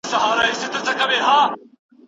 منځلاري خلګ په دې بحثونو کي نه ځاییږي.